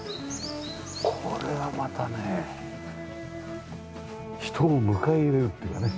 これはまたね人を迎え入れるっていうかね